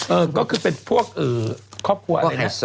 เออก็คือเป็นพวกครอบครัวอะไรนะ